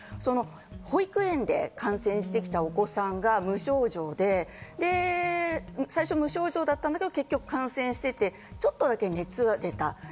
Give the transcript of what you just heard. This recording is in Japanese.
保育園で感染してきたお子さんが無症状で結局感染していてちょっとだけ熱が出た。